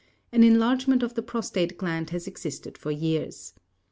An enlargement of the prostate gland has existed for years.